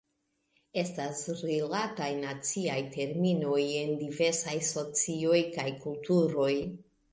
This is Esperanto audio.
Estas rilataj naciaj terminoj en diversaj socioj kaj kulturoj.